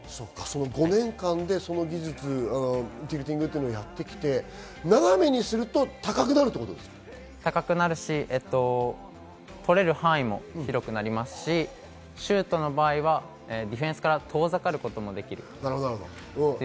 ５年間でティルティングをやってきて、斜めにすると高くなるって高くなるし、とれる範囲も広くなりますし、シュートの場合はディフェンスから遠ざかることもできる。